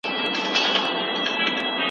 څېړنې خلکو ته د خوراک اغېز ښيي.